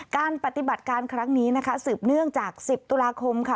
การปฏิบัติการครั้งนี้นะคะสืบเนื่องจาก๑๐ตุลาคมค่ะ